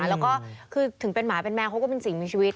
แล้วก็คือถึงเป็นหมาเป็นแมวเขาก็เป็นสิ่งมีชีวิต